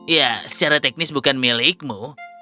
ya secara teknis bukan milikmu